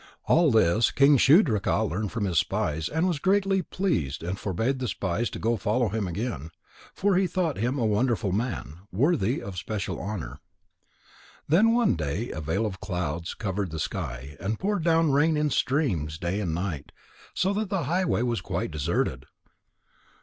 All this King Shudraka learned from his spies and was greatly pleased and forbad the spies to follow him again. For he thought him a wonderful man, worthy of especial honour. Then one day a veil of clouds covered the sky and poured down rain in streams day and night, so that the highway was quite deserted.